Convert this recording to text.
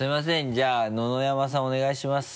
じゃあ野々山さんお願いします。